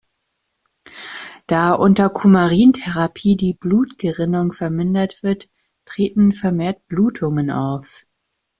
Da unter Cumarin-Therapie die Blutgerinnung vermindert wird, treten vermehrt Blutungen auf.